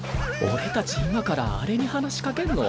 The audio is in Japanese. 俺たち今からあれに話しかけんの？